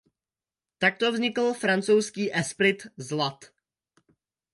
Takto vznikl francouzský "esprit" z lat.